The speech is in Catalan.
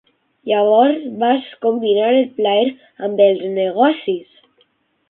Llavors vas combinar el plaer amb els negocis!